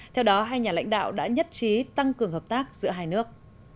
theo đó hai nhà lãnh đạo đã nhất trí tăng cường hợp tác giữa hai nước